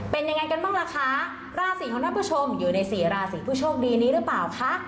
เป็นยังไงกันบ้างล่ะคะราศีของท่านผู้ชมอยู่ในสี่ราศีผู้โชคดีนี้หรือเปล่าคะ